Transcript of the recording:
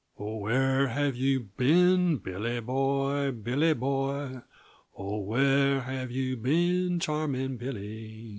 "Oh, where have yuh been, Billy boy, Billy boy? Oh, where have yuh been, charming Billy?"